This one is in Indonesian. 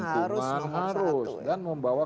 nomor satu ya lingkungan harus dan membawa